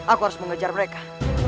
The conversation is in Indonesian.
aku harus mengejar mereka